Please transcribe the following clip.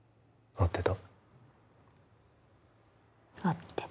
合ってた。